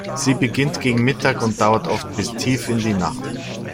Sie beginnt gegen Mittag und dauert oft bis tief in die Nacht.